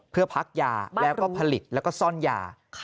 เพื่อพักยาและก็ผลิตส้อนยา